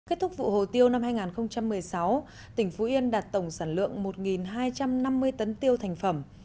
kết thúc vụ hồ tiêu năm hai nghìn một mươi sáu tỉnh phú yên đạt tổng sản lượng một hai trăm năm mươi tấn tiêu thành phẩm